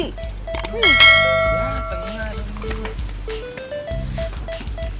ya tengah dong dulu